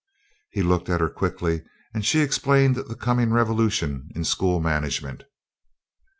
He looked at her quickly, and she explained the coming revolution in school management.